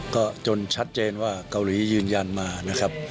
ก็จนชัดเจนว่าเกาหลียืนยันมานะครับ